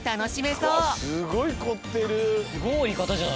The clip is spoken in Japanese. すごいこってる。